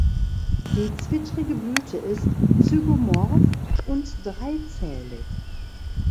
Die zwittrige Blüte ist zygomorph und dreizählig.